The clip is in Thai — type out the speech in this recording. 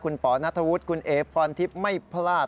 คุณปอณ์นาฑุทคุณเอพรทริปไม่พลาด